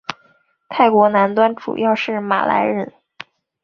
泰国南端主要是马来人。